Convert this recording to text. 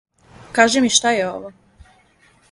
Кажи ми шта је ово?